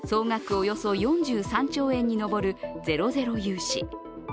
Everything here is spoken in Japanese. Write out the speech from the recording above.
およそ４３兆円に上るゼロゼロ融資。